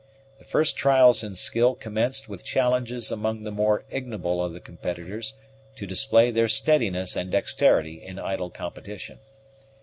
The first trials in skill commenced with challenges among the more ignoble of the competitors to display their steadiness and dexterity in idle competition.